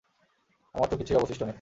আমার তো কিছুই অবশিষ্ট নেই।